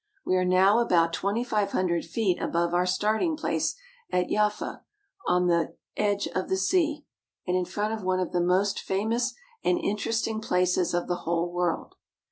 We are now about twenty five hundred feet above our starting place at Jaffa on the edge of the sea, and in front of one of the most famous and interesting places of the whole world.